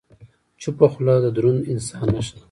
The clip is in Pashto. چپه خوله، د دروند انسان نښه ده.